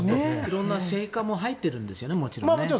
いろんな成果も入っているんですよね。